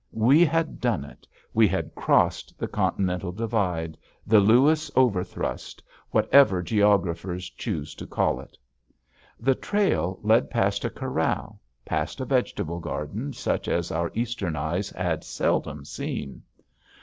We had done it. We had crossed the Continental Divide, the Lewis Overthrust, whatever geographers choose to call it. The trail led past a corral, past a vegetable garden such as our Eastern eyes had seldom seen.